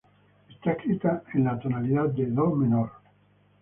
Está escrita en la tonalidad de "do menor".